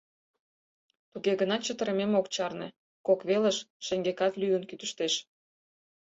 Туге гынат чытырымым ок чарне, кок велыш, шеҥгекат лӱдын кӱтыштеш.